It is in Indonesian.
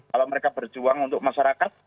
kalau mereka berjuang untuk masyarakat